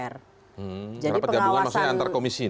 rapat gabungan maksudnya antar komisi